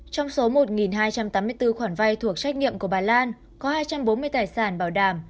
trong số một hai trăm tám mươi bốn khoản vay thuộc trách nhiệm của bà lan có hai trăm bốn mươi tài sản bảo đảm